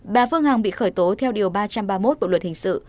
bà phương hằng bị khởi tố theo điều ba trăm ba mươi một bộ luật hình sự